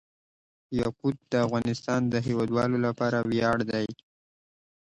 یاقوت د افغانستان د هیوادوالو لپاره ویاړ دی.